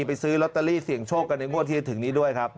ไปซื้อลอตเตอรี่เสี่ยงโชคกันในงวดที่จะถึงนี้ด้วยครับ